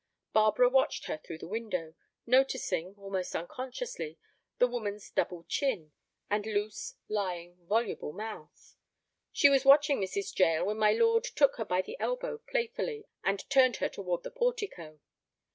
Barbara watched her through the window, noticing, almost unconsciously, the woman's double chin, and loose, lying, voluble mouth. She was watching Mrs. Jael when my lord took her by the elbow playfully and turned her toward the portico.